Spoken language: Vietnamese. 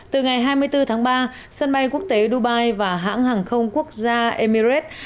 từ ngày hai mươi bốn tháng ba sân bay quốc tế dubai và hãng hàng không quốc gia emirat